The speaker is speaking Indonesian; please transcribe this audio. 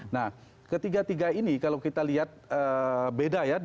nah ketiga tiga ini kalau kita lihat beda ya